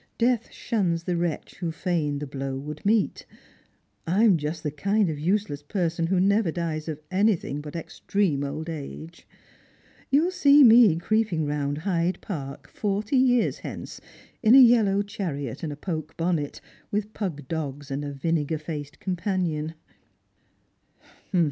—' Death shuns the wretch who fain the blow would meet.' I am just the kind of useless person who never dies of anything but extreme old age. Tou will see me creeping round Hyde Park, forty years hence, in a yellow chariot and a poke bonnet, with pug dogs and a vinegar faced com panion."